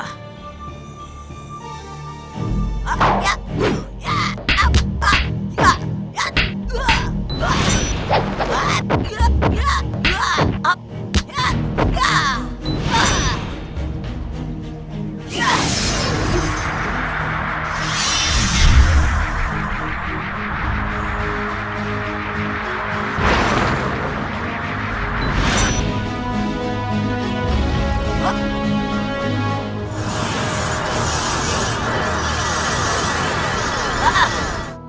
tua nadop nyai kembang nyai kembang